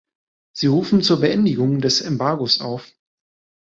Sie rufen zur Beendigung des Embargos auf.